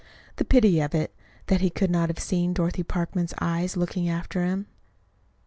The pity of it that he could not have seen Dorothy Parkman's eyes looking after him!